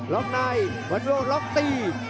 ล็อกไนด์วันวิโยล็อกตี